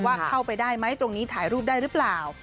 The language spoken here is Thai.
ว่าเข้าไปได้ไหมตรงนี้ถ่ายรูปได้หรือเปล่า